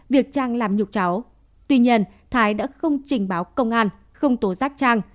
việc trang làm nhục cháu tuy nhiên thái đã không trình báo công an không tố giác trang